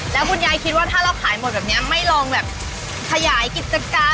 แล้วคุณยายคิดว่าถ้าเราขายหมดแบบนี้ไม่ลองแบบขยายกิจการ